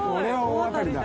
大当たりだ。